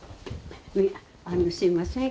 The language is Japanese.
あのすいません